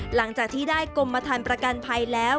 หลังจากที่ได้กรมฐานประกันภัยแล้ว